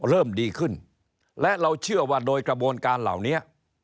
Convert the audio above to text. เริ่มดีขึ้นและเราเชื่อว่าโดยกระบวนการเหล่านี้